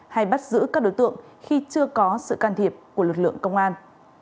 hay bắt giữ các đối tượng khi chưa có sự can thiệp của lực lượng công an